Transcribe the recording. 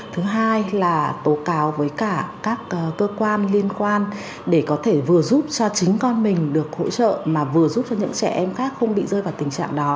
thứ hai là tố cáo với cả các cơ quan liên quan để có thể vừa giúp cho chính con mình được hỗ trợ mà vừa giúp cho những trẻ em khác không bị rơi vào tình trạng đó